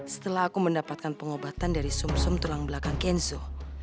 setelah aku mendapatkan pengobatan dari sum sum tulang belakang kenzo